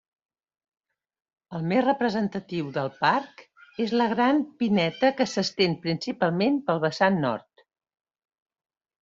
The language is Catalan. El més representatiu del parc és la gran pineda que s'estén principalment pel vessant nord.